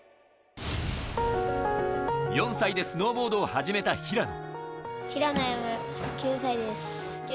４歳でスノーボードを始めた平野。